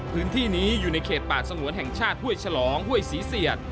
พื้นที่นี้อยู่ในเขตป่าสงวนแห่งชาติห้วยฉลองห้วยศรีเสียด